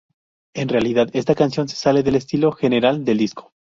En realidad, esta canción se sale del estilo general del disco.